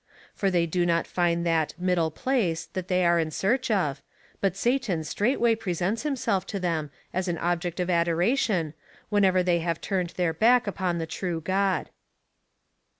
For they do not find that "middle place "^ that they are in search of, but Satan straight way presents himself to them, as an object of adoration, whenever they have turned their back upon the true God.